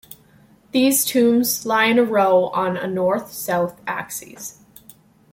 These tombs lie in a row on a north-south axis.